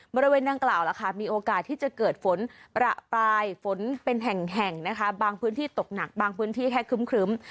บริเวณดังกล่าวล่ะค่ะมีโอกาสที่จะเกิดฝนประปรายฝนเป็นแห่งนะคะบางพื้นที่ตกหนักบางพื้นที่แค่ครึ้ม